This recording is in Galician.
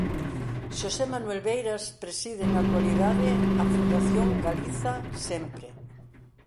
Xosé Manuel Beiras preside na actualidade a Fundación Galiza Sempre